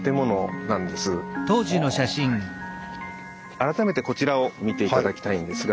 改めてこちらを見て頂きたいんですが。